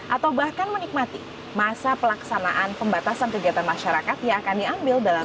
atau bahkan menikmati masa pelaksanaan pembatasan kegiatan masyarakat yang akan diambil dalam